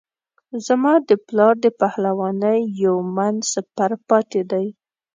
زما د پلار د پهلوانۍ یو من سپر پاته دی.